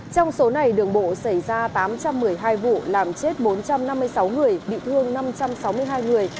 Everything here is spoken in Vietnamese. trong số này đường bộ xảy ra tám trăm một mươi hai vụ làm chết bốn trăm năm mươi sáu người bị thương năm trăm sáu mươi hai người